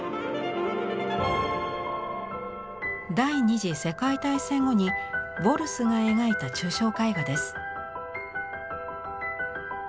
第二次世界大戦後にヴォルスが描いた抽象絵画です。